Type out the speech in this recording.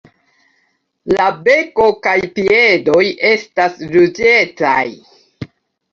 La beko kaj piedoj estas ruĝecaj.